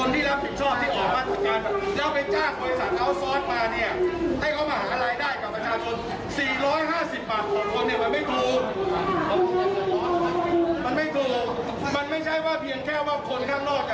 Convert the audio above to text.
มันหมายความว่าอย่างไรตอบผมหน่อยที่ให้พูดว่า